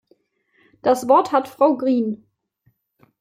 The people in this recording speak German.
Das Wort hat Frau Green.